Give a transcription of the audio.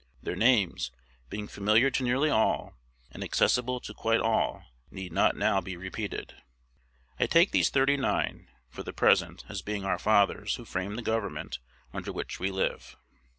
Their names, being familiar to nearly all, and accessible to quite all, need not now be repeated. I take these "thirty nine," for the present, as being "our fathers, who framed the Government under which we live."